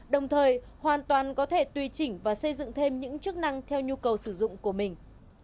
đồng thời hoàn toàn có thể tùy chỉnh và xây dựng thêm những chức năng theo nhu cầu sử dụng của mình